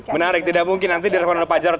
menarik tidak mungkin nanti direkomendasi pak jarot